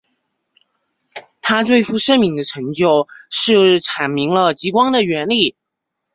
他最负盛名的成就是阐明了极光的原理。